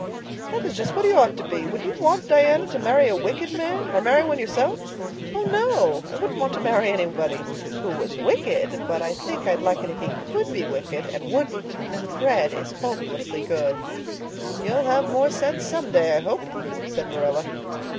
"That's just what he ought to be. Would you want Diana to marry a wicked man? Or marry one yourself?" "Oh, no. I wouldn't want to marry anybody who was wicked, but I think I'd like it if he could be wicked and wouldn't. Now, Fred is hopelessly good." "You'll have more sense some day, I hope," said Marilla.